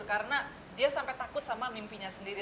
karena dia sampai takut sama mimpinya sendiri